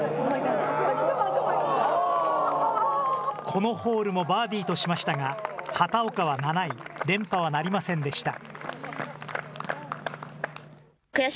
このホールもバーディーとしましたが、畑岡は７位、連覇はなりませんでした。